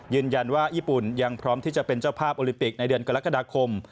ยืนยันว่าญี่ปุ่นยังพร้อมที่จะเป็นเจ้าภาพโอลิมปิกในเดือนกรกฎาคม